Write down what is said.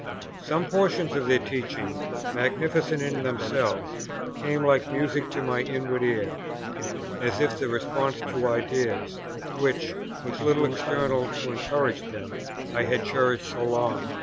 Some portions of their teaching, magnificent in themselves, came like music to my inward ear, as if the response to ideas, which, with little external to encourage them, I had cherished so long.